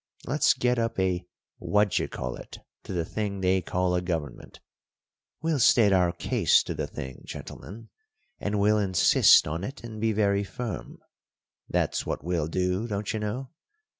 Let's get up a what d'you call it to the thing they call a government. We'll state our case to the thing, gentlemen; and we'll insist on it and be very firm; that's what we'll do, don't you know.